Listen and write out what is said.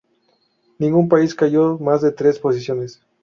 Ningún país cayó más de tres posiciones.